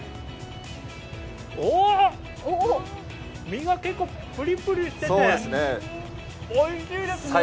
身が結構ぷりぷりしてておいしいですね。